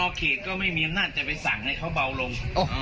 เขตก็ไม่มีอำนาจจะไปสั่งให้เขาเบาลง